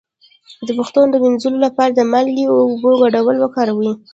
د پښو د مینځلو لپاره د مالګې او اوبو ګډول وکاروئ